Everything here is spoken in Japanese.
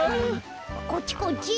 こっちこっち。